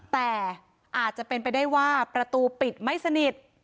แต่อาจจะเป็นไปได้ว่าประตูปิดไม่สนิท